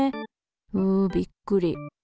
うびっくり。